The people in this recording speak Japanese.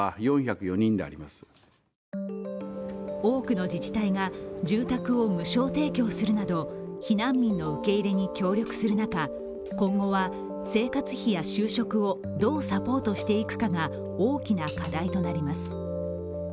多くの自治体が住宅を無償提供するなど避難民の受け入れに協力する中、今後は生活費や就職をどうサポートしていくかが大きな課題となります。